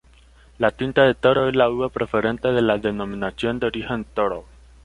La Tinta de Toro es la uva preferente de la denominación de origen Toro.